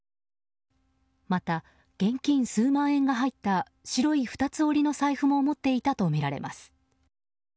また、現金数万円が入った白い２つ折りの財布も持っていたとみられます。